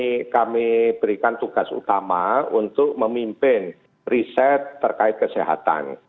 ini kami berikan tugas utama untuk memimpin riset terkait kesehatan